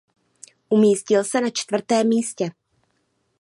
Umístil se na čtvrtém místě.